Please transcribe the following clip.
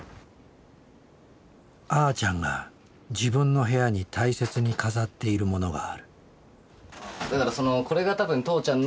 あーちゃんが自分の部屋に大切に飾っているものがある。